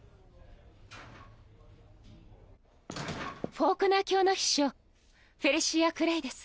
フォークナー卿の秘書フェリシア・クレイです。